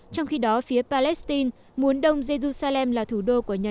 trong khi đó phía palestine muốn đông jerusalem là thủ đô của nhật